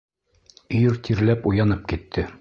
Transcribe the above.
Ир тирләп уянып китте.